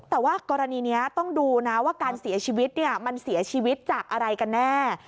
แต่ว่ากรณีนี้ต้องดูนะว่าการเสียชีวิตมันเสียชีวิตจากอะไรกันแน่